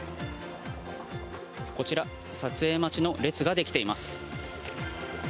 こちら、撮影待ちの列が出来ています。